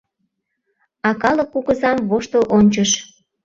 А калык кугызам воштыл ончыш: